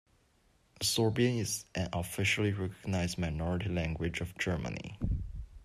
Sorbian is an officially recognized minority language of Germany.